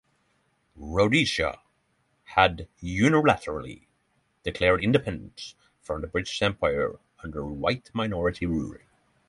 Rhodesia had unilaterally declared independence from the British Empire under white minority rule.